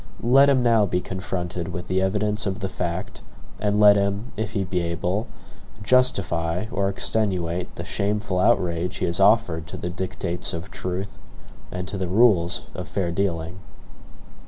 Let him now be confronted with the evidence of the fact, and let him, if he be able, justify or extenuate the shameful outrage he has offered to the dictates of truth and to the rules of fair dealing.